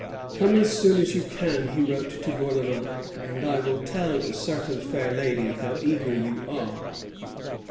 "Come as soon as you can," he wrote to Bourlamaque, "and I will tell a certain fair lady how eager you are."